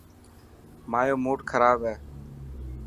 مايو موڊ کراب هي.